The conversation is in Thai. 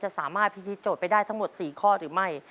สามารถพิธีโจทย์ไปได้ทั้งหมด๔ข้อหรือไม่